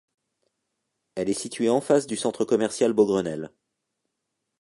Elle est située en face du centre commercial Beaugrenelle.